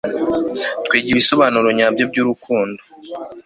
twiga ibisobanuro nyabyo byurukundo